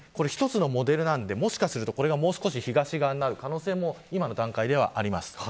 一つのモデルなのでもしかすると、これが東側になる可能性も今の時点ではあります。